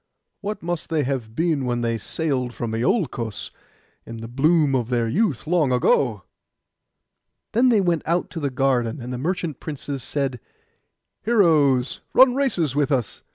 What must they have been when they sailed from Iolcos, in the bloom of their youth, long ago?' Then they went out to the garden; and the merchant princes said, 'Heroes, run races with us.